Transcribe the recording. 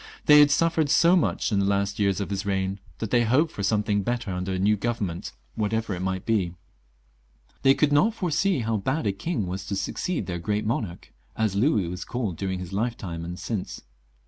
They had suffered so much in the last years of his reign, that they hoped for something better under a new Government, whatever it might be. They could not foresee how bad a king was to succeed their Great Monarch, as Louis was called during his lifetime and since.